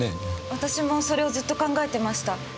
私もそれをずっと考えてました。